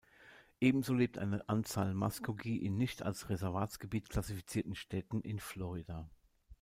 Ebenso lebt eine Anzahl Muskogee in nicht als Reservatsgebiet klassifizierten Städten in Florida.